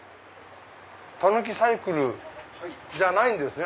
タヌキサイクルじゃないんですね。